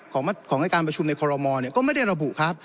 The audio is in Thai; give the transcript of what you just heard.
ของของในการประชุมในเนี่ยก็ไม่ได้ระบุครับ